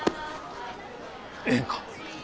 ええんか？